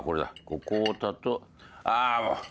ここをああもう！